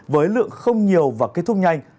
với lượng không nhiều và kết thúc nhanh